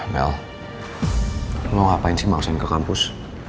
mel lo ngapain sih maksudnya ke kampus